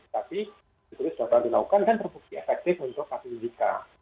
tapi itu sudah pernah dilakukan dan terbukti efektif untuk vaksin jika